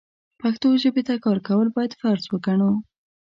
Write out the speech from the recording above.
پښتو ژبې ته کار کول بايد فرض وګڼو.